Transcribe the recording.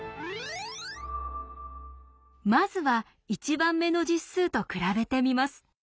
まずは１番目の実数と比べてみます。